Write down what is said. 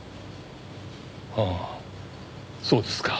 ああそうですか。